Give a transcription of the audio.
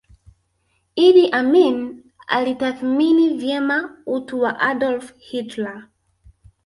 Idi Amin alitathmini vyema utu wa Adolf Hitler